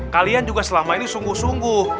kalian juga selama ini sungguh sungguh